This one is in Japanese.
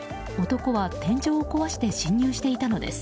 男は、天井を壊して侵入していたのです。